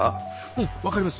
うん分かります！